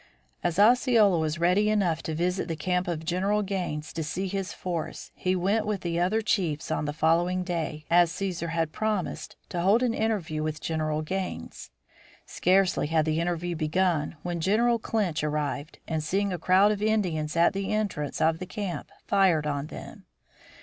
As Osceola was ready enough to visit the camp of General Gaines to see his force, he went with other chiefs on the following day, as Cæsar had promised, to hold an interview with General Gaines. Scarcely had the interview begun when General Clinch arrived and seeing a crowd of Indians at the entrance of the camp fired on them.